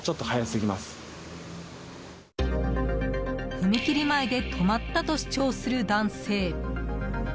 踏切前で止まったと主張する男性。